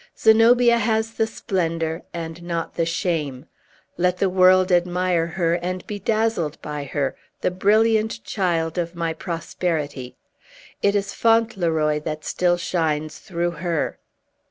Zenobia has the splendor, and not the shame. Let the world admire her, and be dazzled by her, the brilliant child of my prosperity! It is Fauntleroy that still shines through her!"